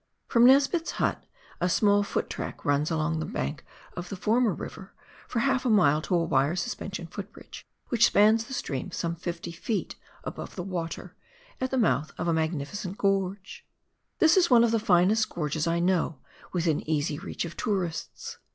From Nesbitt's hut a small foot track runs along the bank of the former river for half a mile to a wire suspension foot bridge, which spans the stream some fifty feet above the water, at the mouth of a magnificent gorge. This is one of the finest gorges I know, within easy reach of tourists.